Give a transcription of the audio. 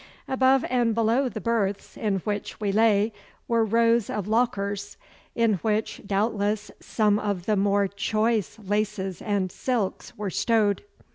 Above and below the berths in which we lay were rows of lockers, in which, doubtless, some of the more choice laces and silks were stowed.